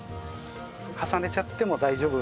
重ねちゃっても大丈夫。